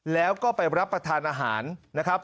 แล้วก็ไปรับประทานอาหารนะครับ